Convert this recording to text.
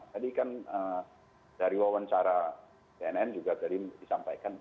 tadi kan dari wawancara cnn juga tadi disampaikan